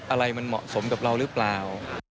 อะไรมันเหมาะสมกับเราหรือเปล่า